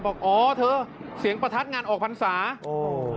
บอกอ๋อเธอเสียงประทัดงานออกภัณฑ์ศาสตร์